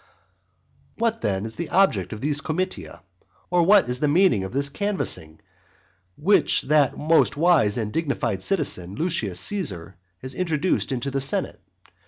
What then is the object of these comitia? Or what is the meaning of this canvassing which that most wise and dignified citizen, Lucius Caesar, has introduced into the senate?